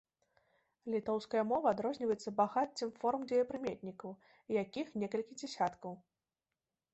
Літоўская мова адрозніваецца багаццем форм дзеепрыметнікаў, якіх некалькі дзясяткаў.